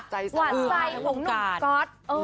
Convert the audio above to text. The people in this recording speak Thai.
หัวใสของหนุ่มก็อต